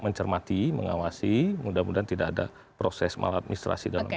mencermati mengawasi mudah mudahan tidak ada proses maladministrasi dalam